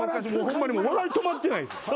ホンマに笑い止まってないです。